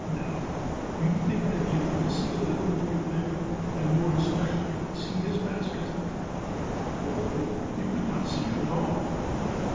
Now, do you think that you could see a little boy up there, and, more especially, see his basket?" ''Oh, no, you could not see him at all."